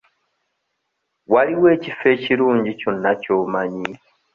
Waliwo ekifo ekirungi kyonna ky'omanyi?